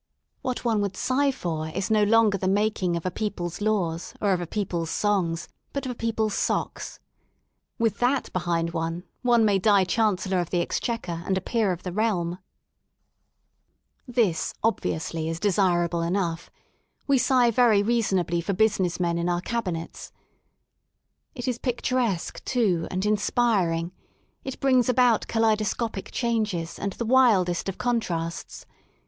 What one would sigh for is no longer the making of a people's laws or of a people's songs, but of a people's socks. With that behind one, one may die Chancellor of the Exchequer and a peer of the realm. This obviously is desirable enough; we sigh very reasonably for business men in our cabinets. It is pic turesque too, and inspiring, it brings about kaleido scopic changes^ and the wildest of contrasts.